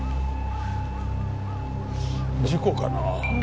事故かな。